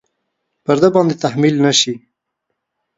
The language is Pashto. پر ده باندې تحمیل نه شي.